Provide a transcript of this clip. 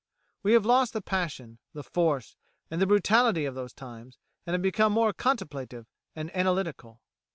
We have lost the passion, the force, and the brutality of those times, and have become more contemplative and analytical.